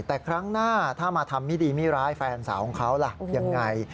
แต่ครั้งหน้าถ้ามาทำไม่ดีไม่ร้ายแฟนสาวของเขาล่ะยังไง